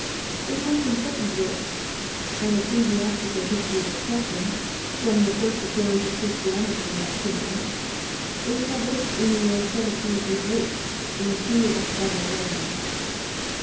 His most important work, "An Ecclesiastical History of Scotland, from the first appearance of Christianity in that kingdom," was published in the year 1788, in two octavo volumes.